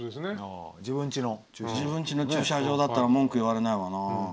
自分ちの駐車場だったら文句を言われないわな。